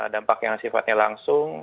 dampak yang sifatnya langsung